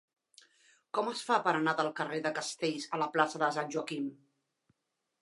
Com es fa per anar del carrer de Castells a la plaça de Sant Joaquim?